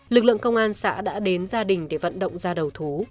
lực lượng công an xã đã đến gia đình để vận động ra đầu thú